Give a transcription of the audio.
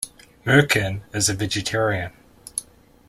Mirkin is a vegetarian.